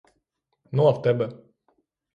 Ну, а в тебе?